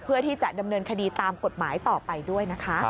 เพื่อที่จะดำเนินคดีตามกฎหมายต่อไปด้วยนะคะ